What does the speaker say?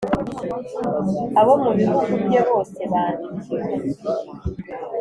abo mu bihugu bye bose bandikwe .